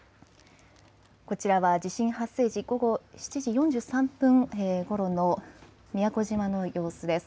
こちらは地震発生時、午後７時４３分ごろの宮古島の様子です。